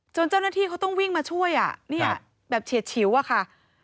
จนเจ้าหน้าที่เขาต้องวิ่งมาช่วยแบบเฉียดชิวค่ะ